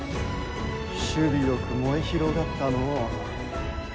首尾よく燃え広がったのう。